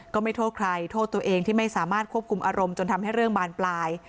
ก็ไม่โทษใครโทษตัวเองที่ไม่สามารถควบคุมอารมณ์จนทำให้เรื่องบานปลาย